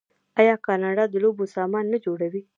آیا کاناډا د لوبو سامان نه جوړوي؟